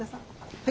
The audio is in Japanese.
はい？